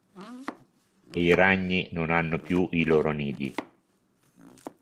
E i ragni non hanno più i loro nidi.